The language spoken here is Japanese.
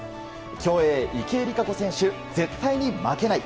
競泳、池江璃花子選手絶対に負けない。